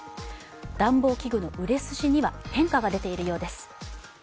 暖房器具の売れ筋には変化が出ているようです。